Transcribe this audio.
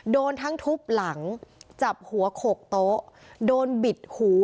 โดนทั้งทุบหลังจับหัวโขกโต๊ะโดนบิดหู